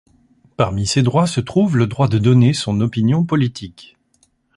Parmi ces droits se trouve le droit de donner son opinion politique.